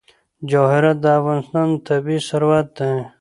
جواهرات د افغانستان طبعي ثروت دی.